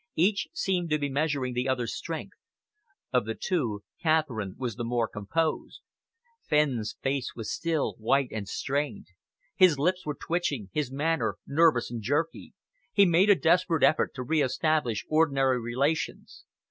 Each seemed to be measuring the other's strength. Of the two, Catherine was the more composed. Fenn's face was still white and strained. His lips were twitching, his manner nervous and jerky. He made a desperate effort to reestablish ordinary relations.